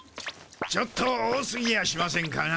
ちょっと多すぎやしませんかな。